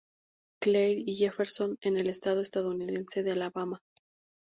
Clair y Jefferson en el estado estadounidense de Alabama.